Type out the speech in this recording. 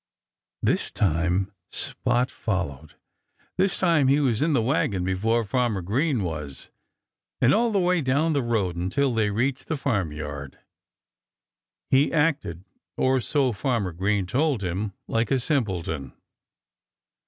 This time Spot followed. This time he was in the wagon before Farmer Green was. And all the way down the road, until they reached the farmyard, he acted (or so Farmer Green told him!) like a simpleton.